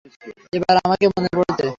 এবার আমাকে মনে পড়েছে?